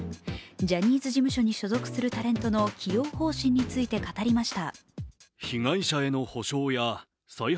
ジャニーズ事務所に所属するタレントの起用方針について語りました。